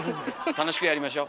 楽しくやりましょ。